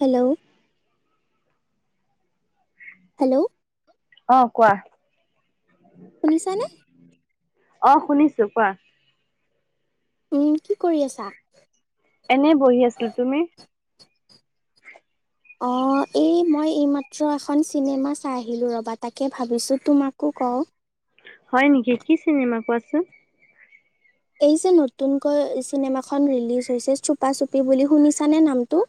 Hello? Hello? অ', কোৱা। শুনিছানে? অ', শুনিছো কোৱা। উম, কি কৰি আছা? এনে বহি আছিলোঁ, তুমি? অ'। অ', এই মই এইমাত্ৰ এখন চিনেমা চাই আহিলোঁ ৰ'বা, তাকে ভাবিছোঁ তোমাকো কওঁ। হয় নেকি, কি চিনেমা কোৱাচোন? এই যে নতুনকৈ চিনেমাখন ৰিলিজ হৈছে চুপা-চুপি বুলি শুনিছানে নামটো?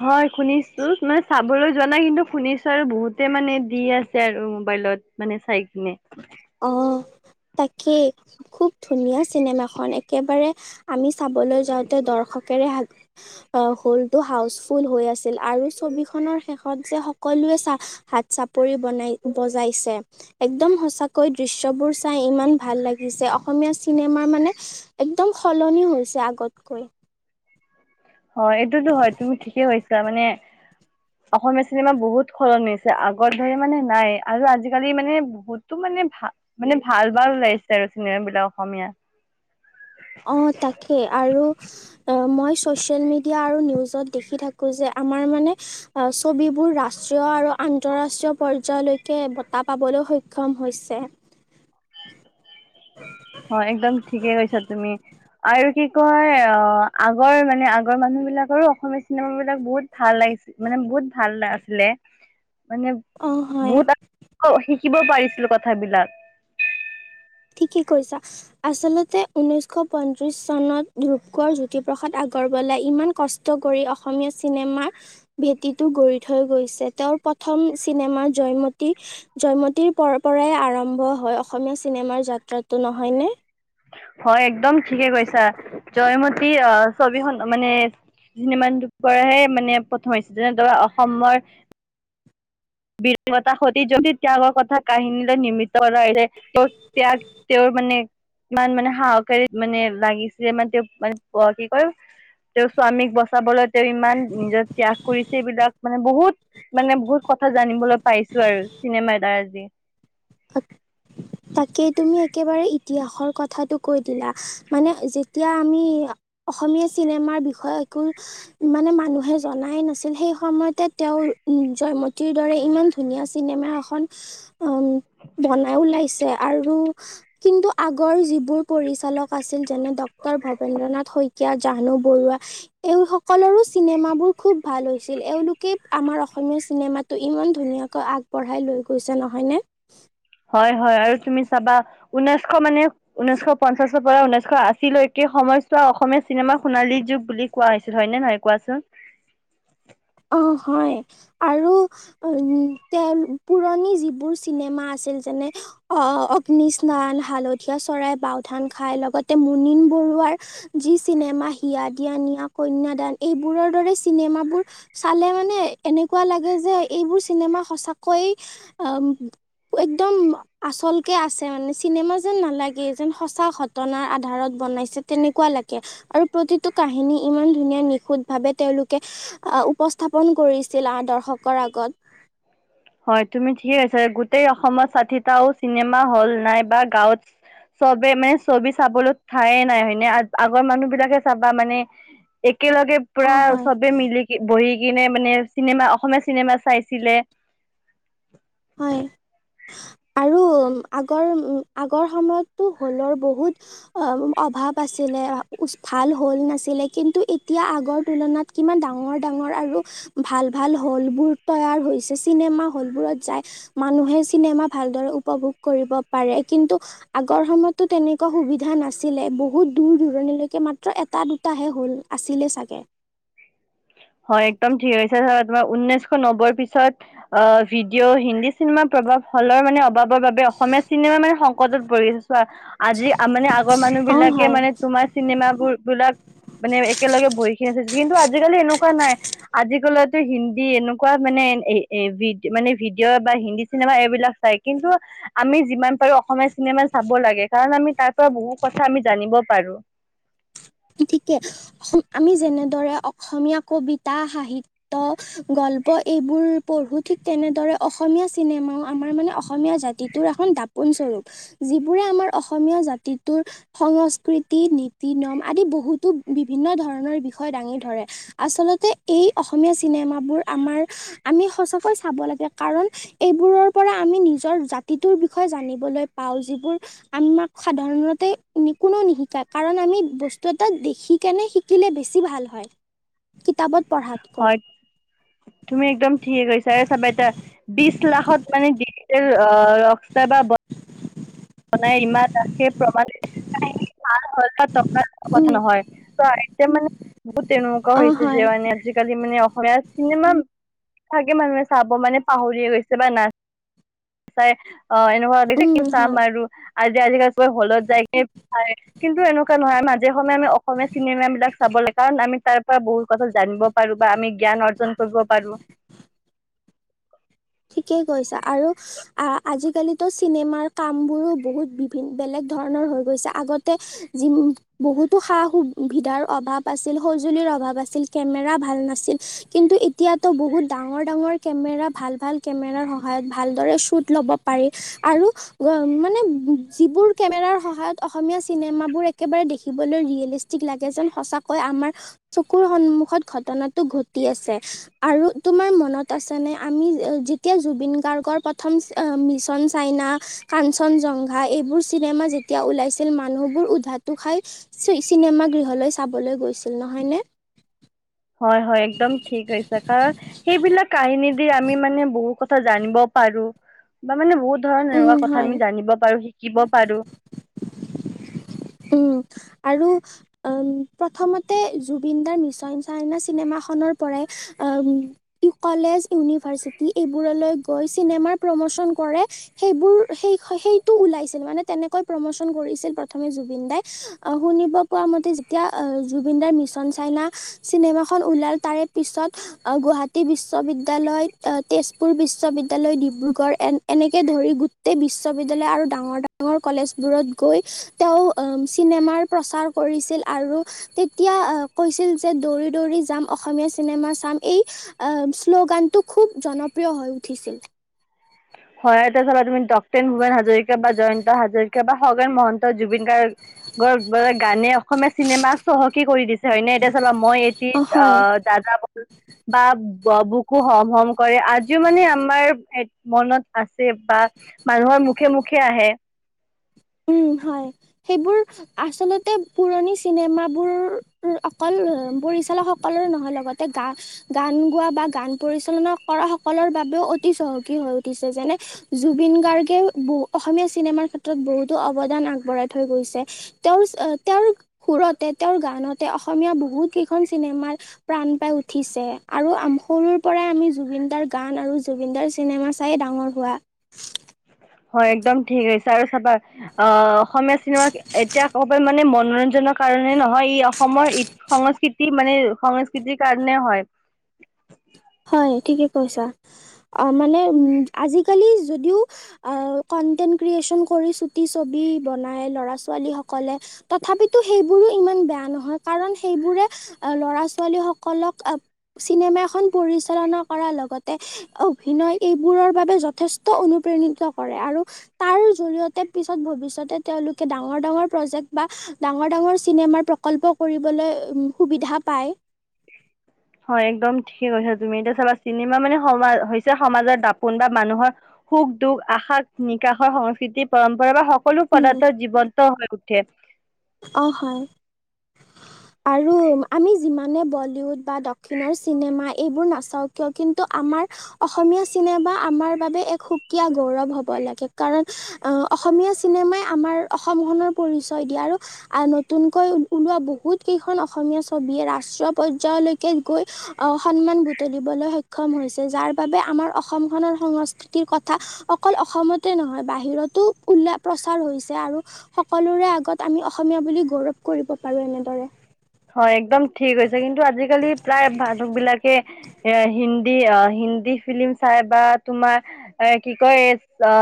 হয়, শুনিছোঁ মানে চাবলৈ যোৱা নাই কিন্তু শুনিছোঁ আৰু বহুতে মানে দি আছে আৰু মোবাইলত। মানে চাই কিনে। অ', তাকেই। খুব ধুনীয়া চিনেমাখন! একেবাৰে আমি চাবলৈ যাওঁতে দৰ্শকেৰে হ আহ, হলটো হাউচফুল হৈ আছিল আৰু ছবিখনৰ শেষত যে সকলোৱে চা হাত চাপৰি বনাই বজাইছে একদম সঁচা কৈ দৃশ্যবোৰ চাই ইমান ভাল লাগিছে, অসমীয়া চিনেমাৰ মানে একদম সলনি হৈছে আগতকৈ। অ', এইটোতো হয়, তুমি ঠিকে কৈছা মানে অসমীয়া চিনেমা বহুত সলনি হৈছে, আগৰ দৰে মানে নাই আৰু আজিকালি মানে ক'তো মানে ভা মানে ভাল-ভাল ওলাইছে আৰু চিনেমাবিলাক অসমীয়া। অ', তাকেই আৰু মই চ'চিয়েল মিডিয়া আৰু নিউজত দেখি থা যে আমাৰ মানে ছবিবোৰ ৰাষ্ট্ৰীয় আৰু আন্তৰাষ্ট্ৰীয় পৰ্যায়লৈকে বঁটা পাবলৈ সক্ষম হৈছে। [inaudible] হয়, একদম ঠিকেই কৈছা তুমি। আৰু কি কয়, অ', আগৰ মানে আগৰ মানুহবিলাকৰো অসমীয়া চিনেমাবিলাক বহুত ভাল লাগিছি মানে বহুত ভাল [unintelligible] আছিলে। মানে অ হয় বহুত [unintelligible] শিকিব পাৰিছিলোঁ কথাবিলাক। ঠিকেই কৈছা। আঁচলতে ঊনৈছশ পঁয়ত্ৰিশ চনত ধৰূপকোঁৱৰ জ্যোতিপ্ৰসাদ আগৰৱালাই ইমান কষ্ট কৰি অসমীয়া চিনেমাৰ ভেটিটো গঢ়ি থৈ গৈছে। তেওঁৰ প্ৰথম চিনেমা জয়মতী জয়মতীৰ পৰাই আৰম্ভ হয়, অসমীয়া চিনেমাৰ যাত্ৰাটো নহয়নে? হয়, একদম ঠিকেই কৈছা জয়মতী [unintelligible] ছবিখন, মানে [unintelligible] পৰাহে মানে প্ৰথম হৈছে, যেনে ধৰা অসমৰ বীৰতা [unintelligible] সতী জয়মতী ত্যাগৰ কথা কাহিনীলৈ নিৰ্মিত কৰা হৈছে। [unintelligible] ত্যাগ, তেওঁৰ মানে ইমান মানে সাহসেৰে মানে লাগিছিল, মানে তেওঁ মা [unintelligible] কি কয় তেওঁ স্বামীক বচাবলৈ তেওঁ ইমান নিজৰ ত্যাগ কৰিছে, এইবিলাক মানে বহুত মানে বহুত কথা জানিবলৈ পাইছোঁ আৰু চিনেমা এটাৰ দি। [unintelligible] তাকেই তুমি একেবাৰে ইতিহাসৰ কথাটো কৈ দিলা, মানে যেতিয়া আমি অসমীয়া চিনেমাৰ বিষয়ে একো ইমানে মানুহে জনাই নাছিল সেই সময়তে তেওঁৰ জয়মতীৰ দৰে ইমান ধুনীয়া চিনেমা এখন বনাই ওলাইছে। আৰু কিন্তু আগৰ যিবোৰ পৰিচালক আছিল, যেনে ডক্টৰ ভবেন্দ্ৰনাাথ শইকীয়া, জাহ্নু বৰুৱা এওঁ সকলৰোঁ চিনেমাবোৰ খুব ভাল হৈছিল। এওঁলোকেই আমাৰ অসমীয়া চিনেমাত ত' ইমান ধুনীয়াকৈ আগবঢ়াই লৈ গৈছে নহয়নে? হয়, হয় আৰু তুমি চাবা ঊনৈছশ মানে ঊনৈশ পঞ্চাশৰ পৰা ঊনৈছশ আশীলৈকে সময়ছোৱা, অসমীয়া চিনেমা সোণালী যুগ বুলি কোৱা হৈছিল, হয়নে নহয় কোৱাচোন? অ' হয়। আৰু উম তে পুৰণি যিবোৰ চিনেমা আছিল যেনে অহ অগ্নি স্নান হালধীয়া চৰাই বাওধান, খাই লগতে মুনিন বৰুৱাৰ যি চিনেমা হিয়া দিয়া নিয়া, কন্যাদান এইবোৰৰ দৰে চিনেমাবোৰ চালে মানে এনেকুৱা লাগে যে এইবোৰ চিনেমা সঁচাকৈয়ে একদম আচলকে আছে মানে চিনেমা যেন নালাগে যেন সঁচা ঘটনাৰ আধাৰত বনাইছে তেনেকুৱা লাগে। আৰু প্ৰতিটো কাহিনী ইমান ধুনীয়া নিখুঁত ভাৱে তেওঁলোকে আহ উপস্থাপন কৰিছিল আদৰ্শকৰ আগত। হয় তুমি ঠিকে কৈছা গোটেই অসমত ষাঠিটাও চিনেমা হ'ল নাই বা গাঁৱত চবে মানে ছবি চাবলৈ ঠায়েই নাই হয়নে আগৰ মানুহ বিলাকে চাবা মানে একেলগে অ পুৰা হয় চবে মিলি বহি কিনে মানে চিনেমা অসমীয়া চিনেমা চাইছিলে। হয় আৰু। আগৰ আগৰ সময়তটো হলৰ বহুত অ' অভাৱ আছিলে ভাল হল নাছিলে কিন্তু এতিয়া আগৰ তুলনাত। কিমান ডাঙৰ ডাঙৰ আৰু ভাল ভাল হল বোৰ তৈয়াৰ হৈছে চিনেমা হল বোৰত যাই মানুহে চিনেমা ভালদৰে উপভোগ কৰিব পাৰে কিন্তু আগৰ সময়ততো তেনেকুৱা সুবিধা নাছিলে বহুত দূৰ দূৰণিলৈকে মাত্ৰ এটা দুটা তাহে হল আছিলে চাগে। হয় একদম ঠিক হৈছে তোমাৰ ঊনৈছশ নব্বৈৰ পিছত অ' ভিডিঅ' হিন্দী চিনেমাৰ প্ৰভাৱ ফলৰ মানে অভাৱৰ বাবে অসমীয়া চিনেমা মানে সংকটত পৰিছে। আজি মানে আগৰ মানুহ অ বিলাকে হয় মানে তোমাৰ চিনেমাবোৰ বিলাক মানে একেলগে বহিখিনি আছে কিন্তু আজিকালি এনেকুৱা নাই। আজিকালতো হিন্দী এনেকুৱা মানে মানে ভিডিঅ' বা হিন্দী চিনেমা এইবিলাক চাই কিন্তু আমি যিমান পাৰো অসমীয়া চিনেমা চাব লাগে কাৰণ আমি তাৰ পৰা বহুত কথা আমি জানিব পাৰো। ছিকে আমি যেনেদৰে অসমীয়া, কবিতা, সাহিত্য গল্প এইবোৰ পঢ়ো ঠিক তেনেদৰে অসমীয়া চিনেমাও আমাৰ মানে অসমীয়া জ টোৰ এখন দাপোন স্বৰূপ। যিবোৰে আমাৰ অসমীয়া জাতিটোৰ সংস্কৃতি নীতি নিয়ম আদি বহুত বহুতো বিভিন্ন ধৰণৰ বিষয় দাঙি ধৰে। আচলতে এই অসমীয়া চিনেমাবোৰ আমাৰ আমি সঁচাকৈ চাব লাগে কাৰণ এইবোৰৰ পৰা আমি নিজৰ জাতিটোৰ বিষয়ে জানিবলৈ পাওঁ যিবোৰ আমাক সাধাৰণতে কোনো নিশিকায় কাৰণ আমি বস্তু তো তাত দেখিকিনে শিকিলে বেছি ভাল হয় কিতাপত পঢ়াতকৈ। হয় তুমি একদম ঠিকে কৈছা, এই চাবা ইতা বিশ লাখত মানে ডিজিটেল ৰকস্তাৰ বা মানাই ইমানে প্ৰমাণ [unintelligible] টকাৰ উম কথা নহয় ত এতিয়া মানে বহুত তেনেকুৱা অ হৈছে হয় যে মানে আজি কালি মানে অসমীয়া চিনেমা থাকে মানুহে চাব মানে পাহৰিয়ে গৈছে বা নাচ চাই অ' এনেকুৱা লাগি যে উম কি হয় চাম আৰু আজি আজিকালি চবে হলত যায় কিনে চায়। কিন্তু এনেকুৱা নহয় মাজে সময়ে আমি অসমীয়া চিনেমা বিলাক চাব লাগে কাৰণ আমি তাৰ পৰা বহুত কথা জানিব পাৰো বা আমি জ্ঞান অৰ্জন কৰিব পাৰো। ঠিকেই কৈছা আৰু আ আজিকালিতো চিনেমাৰ কাম বোৰো বহুত বিভি বেলেগ ধৰণৰ হৈ গৈছে আগতে যি বহুতো সা সুবিধাৰ অভাৱ আছিল, সঁজুলিৰ অভাৱ আছিল কেমেৰা ভাল নাছিল কিন্তু এতিয়াতো বহুত ডাঙৰ ডাঙৰ কেমেৰা ভাল ভাল কেমেৰাৰ সহায়ত ভালদৰে শ্বুট ল'ব পাৰি। আৰু মানে যিবোৰ কেমেৰাৰ সহায়ত অসমীয়া চিনেমাবোৰ একেবাৰে দেখিবলৈ ৰিয়েলিষ্ট লাগে যেন সঁচাকৈ আমাৰ চকুৰ সন্মুখত ঘটনাটো ঘটি আছে আৰু তোমাৰ মনত আছানে আমি যি তি জুবিন গাৰ্গৰ প্ৰথম মিছন চাইনা কাঞ্চন জংঘা এইবোৰ চিনেমা যেতিয়া ওলাইছিল মানুহবোৰ উধাটো খাই চিনেমা গৃহলৈ চাবলৈ গৈছিল নহয় নে হয় হয় একদম ঠিকছে কাৰণ সেইবিলাক কাহিনী দি আমি মানে বহু কথা জানিব পাৰো বা মানে বহুত ধৰণৰ উম এনেকুৱা কথা হয় আমি জানিব পাৰো শিকিব পাৰো। উম আৰু প্ৰথমতে জুবিনদাৰ মিছন চাইনা চিনেমাখনৰ পৰাই অ', কলেজ ইউনিভাৰ্চিটি এইবোৰলৈ গৈ চিনেমাৰ প্ৰমোচন কৰে সেইবোৰ সেই সেইটো ওলাইছিল মানে তেনেকৈ প্ৰম'চন কৰিছিল প্ৰথমে জুবিন দাই অ', শুনিব পোৱা মতে যেতিয়া জুবিনদাৰ মিছন চাইনা চিনেমা খন ওলাল তাৰে পিছত গুৱাহাটী বিশ্ববিদ্যলয় তেজপুৰ বিশ্ববিদ্যলয় ডিব্ৰুগড় এ এনে ধৰি গোটেই বি বিশ্ববিদ্যালয় আৰু ডাঙৰ ডাঙৰ কলেজবোৰত গৈ তেওঁ চিনেমাৰ প্ৰচাৰ কৰিছিল আৰু তেতিয়া কৈছিল যে দৌৰি দৌৰি যাম অসমীয়া চিনেমা চাম এই শ্লোগানটো খুব জনপ্ৰিয় হৈ উঠিছিল হয় এটা চাবা তুমি ডক্টেন ভূপেন হাজৰিকা বা জয়ন্ত হাজৰিকা বা খগেন মহন্ত জুবিন গাৰ্গ গানে অসমীয়া চিনেমাক চহকী কৰি দিছে হৈ নে এতিয়া চলাবা মই এটি অ, হয় আহ দাদা বু বা বুকো হম হম কৰে আজিও মানে আমাৰ মনত আছে বা মানুহৰ মুখে মুখে আহে উম হয় সেইবোৰ আচলতে পুৰণি চিনেমাবোৰ অকল পৰিচালক সকলৰে নহয় লগতে গা গান গোৱা বা গান পৰিচালনা কৰা সকলৰ বাবেও অতি চহকী হৈ উঠিছে যেনে জুবিন গাৰ্গে অসমীয়া চিনেমাৰ ক্ষেত্ৰত বহুতো অৱদান আগবঢ়াই থৈ গৈছে তেওঁৰ তেওঁৰ সুৰতে তেওঁৰ গানতে অসমীয়া বহুত কেইখন চিনেমাৰ প্ৰাণ পাই উঠিছে আৰু সৰুৰ পৰাই আমি জুবিনদাৰ গান আৰু জুবিনদাৰ চিনেমা চাই ডাঙৰ হোৱা। হয় একদম ঠিকছে আৰু চাবা অ', অসমীয়া চিনেমা এতিয়া কব মানে মনোৰঞ্জনক কাৰণে নহয় ই অসমৰ ই সংস্কৃতি মানে সংস্কৃতিৰ কাৰণে হয়। হয় ঠিকে কৈছা অ', মানে উম আজিকালি যদিও কনটেন্ট ক্ৰিয়েচন কৰি চুটি ছবি বনাই ল'ৰা ছোৱালীসকলে তথাপিতো সেইবোৰো ইমান বেয়া নহয় কাৰণ সেইবোৰে আহ ল'ৰা ছোৱালী সকলক আহ চিনেমা এখন পৰিচালনা কৰাৰ লগতে অভিনয় এইবোৰৰ বাবে যথেষ্ট অনুপ্ৰেণিত কৰে আৰু তাৰ জৰিয়তে পিছত ভৱিষ্যতে তেওঁলোকে ডাঙৰ ডাঙৰ প্ৰজেক্ট বা ডাঙৰ ডাঙৰ চিনেমাৰ প্ৰকল্প কৰিবলৈ সুবিধা পায়। [inaudible] হয় একদম ঠিকে কৈছা তুমি এতিয়া চাবা চিনেমা মানে সম হৈছে সমাজৰ দাপোন বা মানুহৰ সুখ দুখ আশ নিকশৰ সংস্কৃতি পৰম্পৰা বা সকলো উম, পদাৰ্থ জীৱন্ত হৈ উঠে। অ', হয়। আৰু আমি যিমানে বলিউড বা দক্ষিণৰ চিনেমা এইবোৰ নাচাওঁ কিয় কিন্তু আমাৰ অসমীয়া চিনেমা আমাৰ বাবে এক সুকীয়া গৌৰৱ হব লাগে কাৰণ অ, অসমীয়া চিনেমাই আমাৰ অসমখনৰ পৰিচয় দিয়া আৰু। আহ, নতুনকৈ ওলোৱা বহুত কেইখন অসমীয়া ছবিয়ে ৰাষ্ট্ৰীয় পৰ্যায়লৈকে গৈ। আহ, সন্মান বুটলিবলৈ সক্ষম হৈছে, যাৰ বাবে আমাৰ অসম খনৰ সংস্কৃতি। কথা অকল অসমতে নহয়, বাহিৰতো উল্ল প্ৰচাৰ হৈছে আৰু। সকলোৰে আগত আমি অসমীয়া বুলি গৌৰৱ কৰিব পাৰো এনেদৰে। হয়, একদম ঠিক হৈছে কিন্তু আজিকালি প্ৰায় মানুক বিলাকে। এ, হিন্দী অ, হিন্দী ফিলি্ম চাই বা তোমাৰ। এ, কি কয় অ,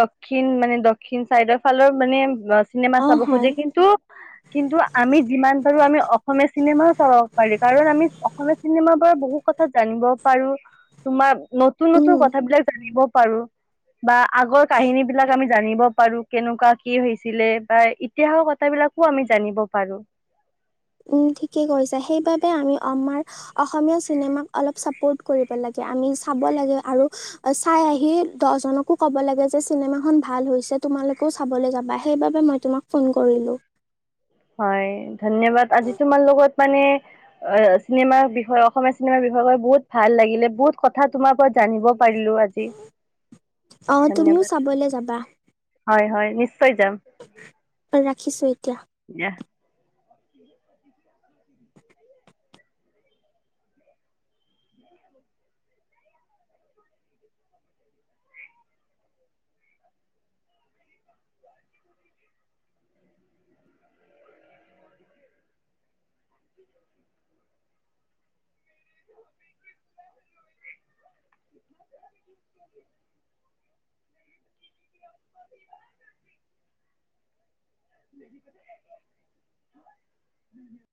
দক্ষিণ মানে দক্ষিণ চাইডৰ ফালৰ মানে। চিনেমা অ', চব হয়। খোজে কিন্তু। কিন্তু আমি যিমান পাৰো আমি অসমীয়া চিনেমাও চাব পাৰি কাৰণ আমি অসমীয়া। চিনেমাৰ পৰা বহু কথা জানিব পাৰো তোমাৰ নতুন উম, নতুন কথাবলাক জানিব। পাৰো। বা, আগৰ কাহিনী বিলাক আমি জানিব পাৰো কেনেকুৱা কি হৈছিলে বা এ ইতিহাসৰ কথাবিলাকো আমি জানিব পাৰো। উম, ঠিকেই কৰিছে সেইবাবে আমি আমাৰ। অসমীয়া চিনেমাক অলপ চাপোৰ্ট কৰিব লাগে আমি চাব লাগে, আৰু চাই আহি দহজনকো ক'ব লাগে যে চিনেমা খন ভাল হৈছে, তোমালোকে কেও চাবলৈ যাবা, সেইবাবে মই তোমাক ফোন কৰিলোঁ। হয়। ধন্যবাদ আজি তোমাৰ লগত মানে অহ, চিনেমাৰ বিষয়ে অসমীয়া চিনেমাৰ বিষয়ে কৈ বহুত ভাল লাগিলে বহুত কথাত তোমাৰ পৰা জানিব পাৰিলো আজি, অ', ধন্যবাদ। তুমিও চাবলৈ যাবা। হয় হয়, নিশ্চয় যাম। ত, ৰাখিছো এতিয়া। দিয়া। [inaudible]